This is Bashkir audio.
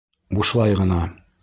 Бушлай ғына.